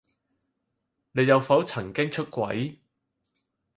你有否曾經出軌？